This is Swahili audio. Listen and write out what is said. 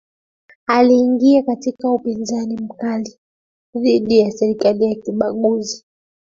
aliingia katika upinzani mkali dhidi ya serikali ya kibaguzi